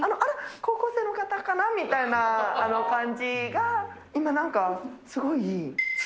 高校生の方かなみたいな感じが、今なんか、すごい土。